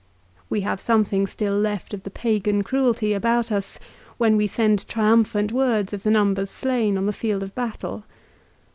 We have something still left of the Pagan cruelty about us when we send triumphant words of the numbers slain on the field of battle.